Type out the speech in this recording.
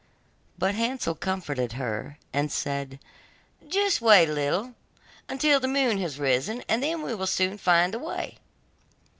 But Hansel comforted her and said: 'Just wait a little, until the moon has risen, and then we will soon find the way.